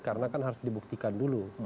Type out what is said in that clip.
karena kan harus dibuktikan dulu